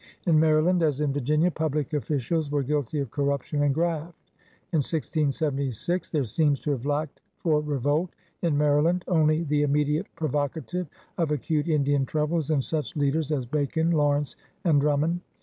In Maryland, as in Virginia, public officials were guilty of corrup tion and graft. In 1676 there seems to have lacked [ 198 PIONEERS OP THE OLD SOUTH for revolt, in Maryland, only the inunediate pro vocative of acute Indian troubles and such leaders as Bacon, Lawrence, and Drummond.